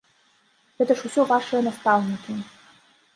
Гэта ж усё вашыя настаўнікі!